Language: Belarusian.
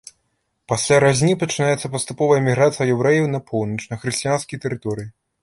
Пасля разні пачынаецца паступовая эміграцыя яўрэяў на поўнач, на хрысціянскія тэрыторыі.